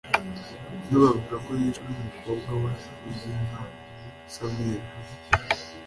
bamwe bavuga ko yishwe n’umukobwa we uzwi nka Samirah